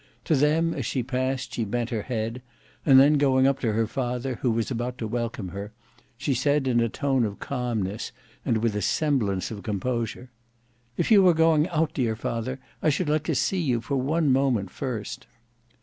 To them, as she passed, she bent her head; and then going up to her father, who was about to welcome her, she said, in a tone of calmness and with a semblance of composure, "If you are going out, dear father, I should like to see you for one moment first."